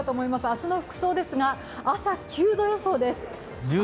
明日の服装ですが、朝９度予想です。